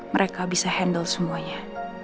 mereka bisa handle semuanya